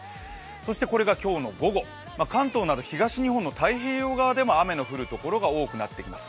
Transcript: そして、これが今日の午後、関東など東日本の太平洋側でも晴れるところが多くなってきます。